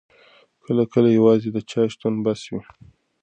کله کله یوازې د چا شتون بس وي.